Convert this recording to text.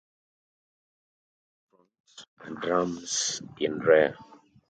Brakes were discs up front and drums in rear.